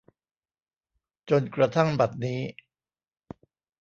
จนกระทั่งบัดนี้